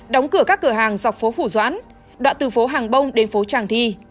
đóng cửa các cửa hàng dọc phố phủ doãn đoạn từ phố hàng bông đến phố tràng thi